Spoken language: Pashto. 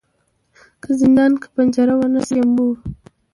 که زندان که پنجره وه نس یې موړ وو